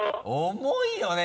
重いよね